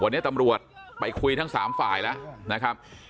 วันนี้ตำรวจไปคุยทั้ง๓ฝ่ายแล้วนะครับ